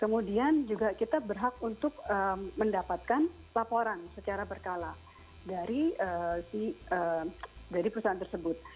kemudian juga kita berhak untuk mendapatkan laporan secara berkala dari perusahaan tersebut